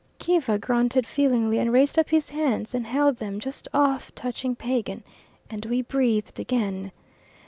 Kiva grunted feelingly, and raised up his hands and held them just off touching Pagan, and we breathed again.